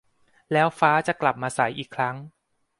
แล้วฟ้าจะกลับมาใสอีกครั้ง